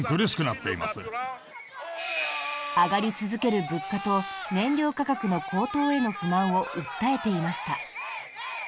上がり続ける物価と燃料価格の高騰への不満を訴えていました。